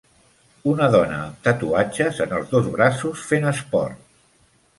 Una dona amb tatuatges en els dos braços fent esport